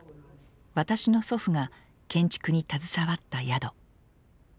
私の祖父が建築に携わった宿。